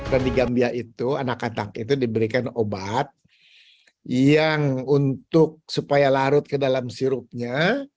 di gambia itu anak anak itu diberikan obat yang untuk supaya larut ke dalam sirupnya